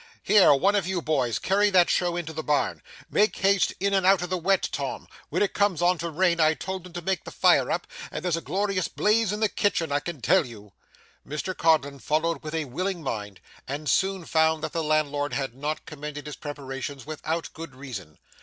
Here one of you boys, carry that show into the barn. Make haste in out of the wet, Tom; when it came on to rain I told 'em to make the fire up, and there's a glorious blaze in the kitchen, I can tell you.' Mr Codlin followed with a willing mind, and soon found that the landlord had not commended his preparations without good reason.